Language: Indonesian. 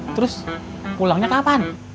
terus pulangnya kapan